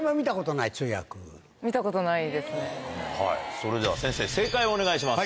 それでは先生正解をお願いします。